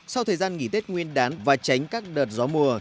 sau thời gian nghỉ tết nguyên đán và tránh các đợt gió mùa